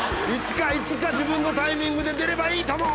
いつか自分のタイミングで出ればいいとも！